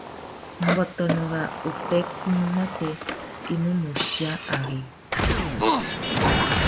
Mbõtônô râ upwêkunú matê i mú môchia ari.